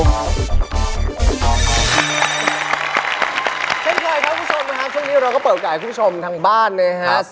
เช่นก่อนครับคุณชมนะครับช่วงนี้เราก็เปิดอากาศให้คุณชมทางบ้านนะฮะ